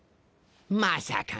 まさか。